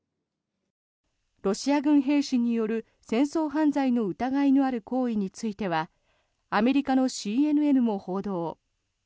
ロシア軍兵士による戦争犯罪の疑いのある行為についてはアメリカのＣＮＮも報道。